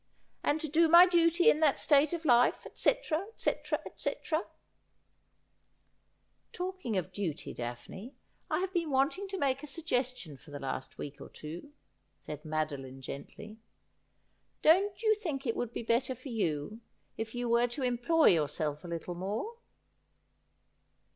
' And to do my duty in that state of life, etc., etc., etc' ' Talking of duty. Daphne, I have been wanting to make a suggestion for the last week or two,' said Madoline gently. ' Don't you think it would be better for you if you were to employ yourself a little more